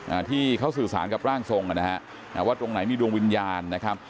อ่าที่เขาสื่อสารกับร่างทรงอ่ะนะฮะอ่าว่าตรงไหนมีดวงวิญญาณนะครับ